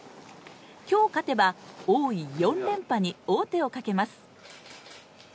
今日勝てば王位４連覇に王手をかけます。